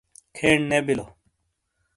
کھین نے بِیلو۔